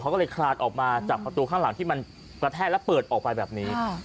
เขาก็เลยคลานออกมาจากประตูข้างหลังที่มันกระแทกแล้วเปิดออกไปแบบนี้